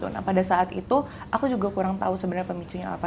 nah pada saat itu aku juga kurang tahu sebenarnya pemicunya apa